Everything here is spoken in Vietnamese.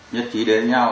nhất trí đến với nhau